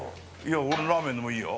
俺、ラーメンでもいいよ。